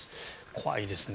怖いですね。